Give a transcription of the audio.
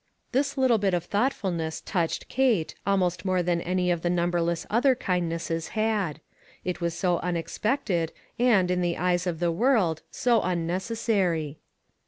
This little bit of thoughtfulness touched Kate, almost more than any of the numberless other kindnesses had. It was so unexpected, and, in the eyes of the world, so unnec essary.